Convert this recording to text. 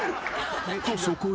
［とそこへ］